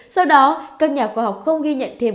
do đó các nhà khoa học không ghi nhận thêm